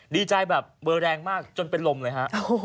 ดีใจแบบเบอร์แรงมากจนเป็นลมเลยฮะ